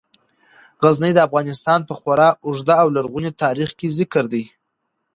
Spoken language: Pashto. غزني د افغانستان په خورا اوږده او لرغوني تاریخ کې ذکر دی.